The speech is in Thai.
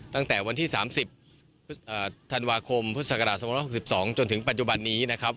ตั้งแต่วันที่๓๐ธันวาคมพุทธศักราช๒๖๒จนถึงปัจจุบันนี้นะครับ